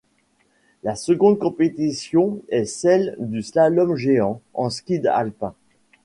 La seconde compétition est celle du slalom géant, en ski alpin.